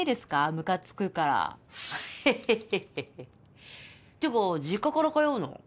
ムカつくからヘッヘッヘッヘッヘッてか実家から通うの？